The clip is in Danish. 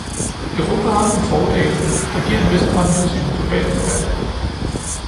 Europa har nogle fordele, der giver en vis pondus i den globale debat.